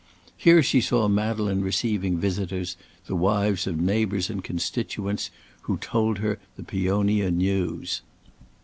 Here she saw Madeleine receiving visitors, the wives of neighbours and constituents, who told her the Peonia news.